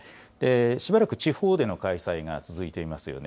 しばらく地方での開催が続いていますよね。